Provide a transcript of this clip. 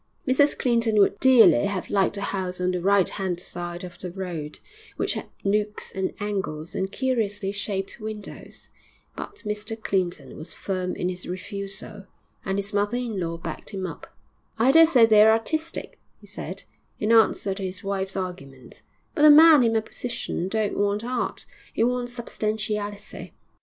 Mrs Clinton would dearly have liked a house on the right hand side of the road, which had nooks and angles and curiously shaped windows. But Mr Clinton was firm in his refusal, and his mother in law backed him up. 'I dare say they're artistic,' he said, in answer to his wife's argument, 'but a man in my position don't want art he wants substantiality.